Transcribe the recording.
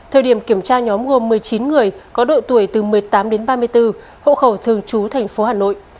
thời điểm kiểm tra nhóm gồm một mươi chín người có độ tuổi từ một mươi tám đến ba mươi bốn hộ khẩu thường trú thành phố hà nội